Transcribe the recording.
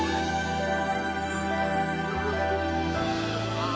ああ。